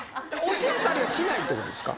教えたりはしないってことですか？